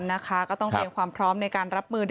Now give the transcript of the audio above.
นะคะก็ต้องเตรียมความพร้อมในการรับมือ